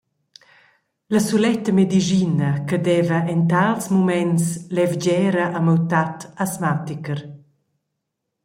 La suletta medischina che deva en tals muments levgera a miu tat asmaticher.